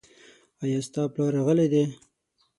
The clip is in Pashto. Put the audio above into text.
ایا ستا پلار راغلی دی ؟